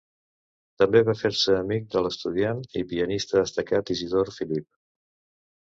També va fer-se amic de l'estudiant i pianista destacat Isidor Philipp.